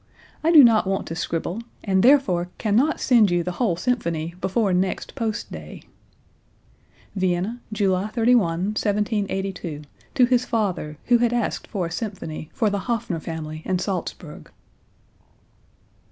I do not want to scribble, and therefore can not send you the whole symphony before next post day." (Vienna, July 31, 1782, to his father, who had asked for a symphony for the Hafner family in Salzburg.)